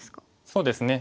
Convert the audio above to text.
そうですね